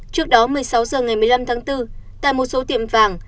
trước đó một mươi sáu h ngày một mươi năm tháng bốn tại một số tiệm vàng